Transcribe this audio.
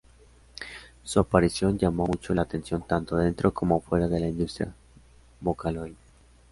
Su aparición llamo mucho la atención tanto dentro como fuera de la industria Vocaloid.